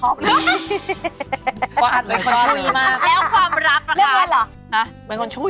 เออรับละเอียดอ๋อกินไปดีกว่าหนูนะแต่หนูก็ไม่รักภอพนี้